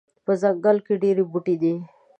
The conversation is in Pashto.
په ځنګل کې ډیر بوټي دي